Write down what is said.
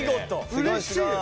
うれしい！